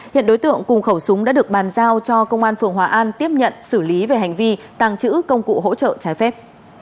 hiện đối tượng cùng khẩu súng đã được bàn giao cho công an phường hòa an tiếp nhận xử lý về hành vi tàng trữ công cụ hỗ trợ trái phép